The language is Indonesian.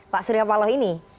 pak suriapaloh ini